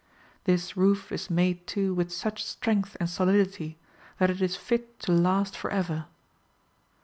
^ This roof is made too with such strength and solidity that it is fit to last for ever.